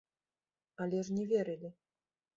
Але ж не верылі.